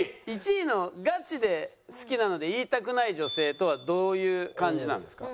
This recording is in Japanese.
１位のガチで好きなので言いたくない女性とはどういう感じなんですか？